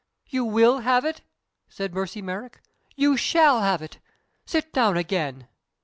"You will have it?" said Mercy Merrick. "You shall have it! Sit down again."